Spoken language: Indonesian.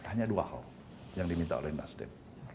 hanya dua hal yang diminta oleh nasdem